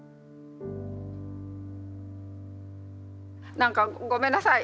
何かごめんなさい